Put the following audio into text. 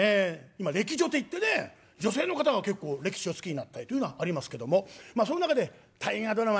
今歴女っていってね女性の方が結構歴史を好きになったりというのはありますけどもまあその中で「大河ドラマ」